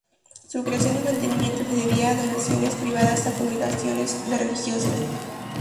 Su creación y mantenimiento se debía donaciones privadas a congregaciones de religiosos.